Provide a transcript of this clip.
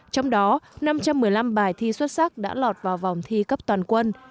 trong đó năm trăm một mươi năm bài thi xuất sắc đã lọt vào vòng thi cấp toàn quân